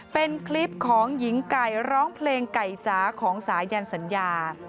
เป็นคลิปของหญิงไก่ร้องเพลงไก่จ๋าของสายันสัญญา